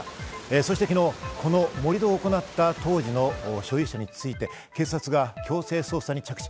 そして昨日、この盛り土を行った当時の所有者について、警察が強制捜査に着手。